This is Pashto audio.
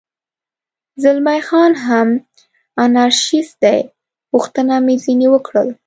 زلمی خان هم انارشیست دی، پوښتنه مې ځنې وکړل.